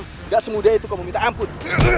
tidak semudah itu kau meminta ampun